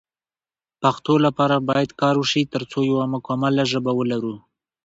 پښتو لپاره باید کار وشی ترڅو یو مکمله ژبه ولرو